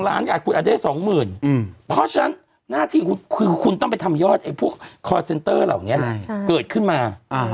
๒ล้านคุณอาจจะได้๒หมื่นเพราะฉะนั้นหน้าที่คุณต้องไปทำยอดพวกคอร์ดเซนเตอร์เหล่านี้เกิดขึ้นมา